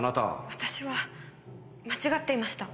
私は間違っていました。